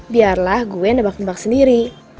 biarlah gue nebak nebak sendiri